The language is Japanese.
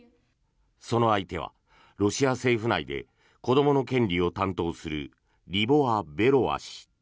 その相手はロシア政府内で子どもの権利を担当するリボワ・ベロワ氏。